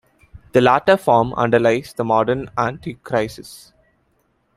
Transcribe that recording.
The latter form underlies the modern antichresis.